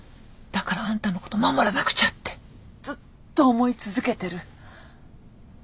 だからあんたのこと守らなくちゃってずっと思い続けてる。